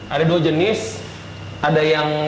ada dua jenis ada yang